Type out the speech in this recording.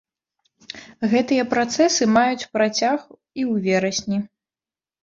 Гэтыя працэсы маюць працяг і ў верасні.